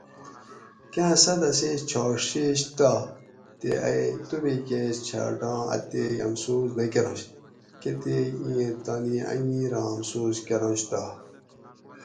کاۤ ساتہ اسیں چھاٹ ڛیشتا تے ائی توبیکی چھاٹی آتئی ہمسوس نہ کرانش کہ تیک ایں تانی انگیراں امسوس کرانشتا